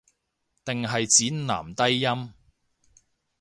定係指男低音